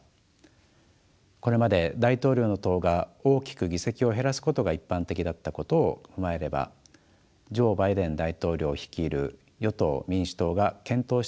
これまで大統領の党が大きく議席を減らすことが一般的だったことを踏まえればジョー・バイデン大統領率いる与党民主党が健闘したといえるでしょう。